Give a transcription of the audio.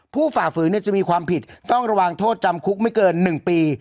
ฝ่าฝืนจะมีความผิดต้องระวังโทษจำคุกไม่เกิน๑ปี